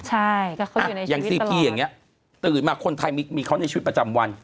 ใช่ก็เขาอยู่ในชีวิตตลอดอย่างนี้ตื่นมาคนไทยมีเขาในชีวิตประจำวัน